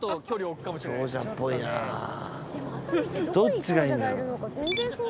どっちがいいんだろう？